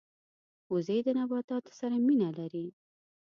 وزې د نباتاتو سره مینه لري